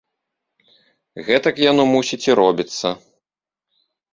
Гэтак яно, мусіць, і робіцца.